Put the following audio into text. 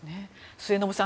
末延さん